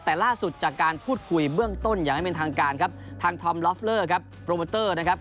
แต่ล่าสุดจากการพูดคุยเบื้องต้นอย่างไม่เป็นทางการครับทางทอมลอฟเลอร์ครับโปรโมเตอร์นะครับ